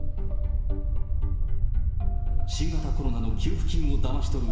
新型コロナの給付金をだまし取る